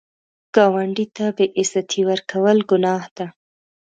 ګاونډي ته بې عزتي ورکول ګناه ده